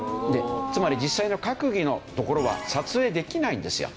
つまり実際の閣議のところは撮影できないんですよ。